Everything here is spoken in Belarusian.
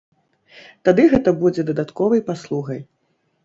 Тады гэта будзе дадатковай паслугай.